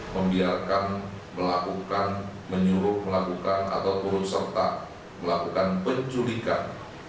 membiarkan melakukan menyuruh melakukan atau turut serta melakukan penculikan